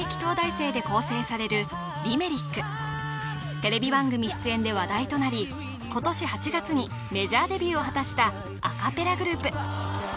テレビ番組出演で話題となり今年８月にメジャーデビューを果たしたアカペラグループ